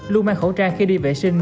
luôn mang khẩu trang khi đi vệ sinh